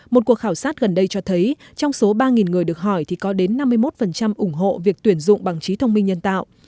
một cuộc khảo sát gần đây cho thấy trong số ba người được hỏi thì có đến năm mươi một ủng hộ việc tuyển dụng bằng trí thông minh nhân tạo